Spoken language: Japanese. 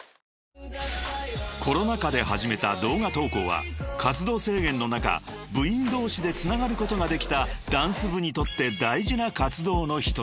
［コロナ禍で始めた動画投稿は活動制限の中部員同士でつながることができたダンス部にとって］